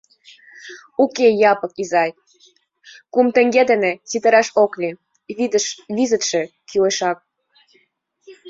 Уке, Япык изай, кум теҥге дене ситараш ок лий: визытше кӱлешак.